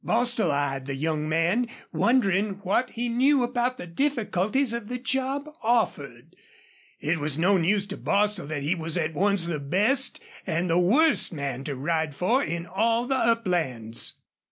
Bostil eyed the young man, wondering what he knew about the difficulties of the job offered. It was no news to Bostil that he was at once the best and the worst man to ride for in all the uplands.